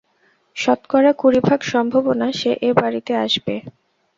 শতকরা কুড়িভাগ সম্ভাবনা সে এ বাড়িতে আসবে।